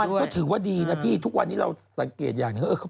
มันก็ถือว่าดีนะพี่ทุกวันนี้เราสังเกตอย่างหนึ่ง